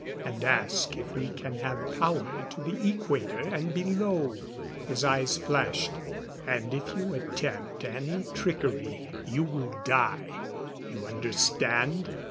And ask if we can have power to the Equator and below." His eyes flashed. "And if you attempt any trickery you will die. You understand?"